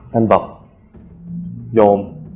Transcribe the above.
ท่านบอกโยม